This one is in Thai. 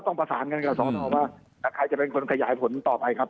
ต้องประสานกันกับสอนอว่าใครจะเป็นคนขยายผลต่อไปครับ